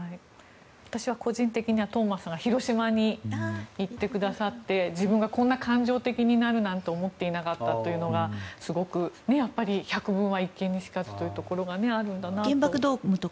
私は個人的にはトーマスさんが広島に行ってくださって自分がこんな感情的になるなんて思っていなかったというのがすごく百聞は一見にしかずというのがあるんだなと。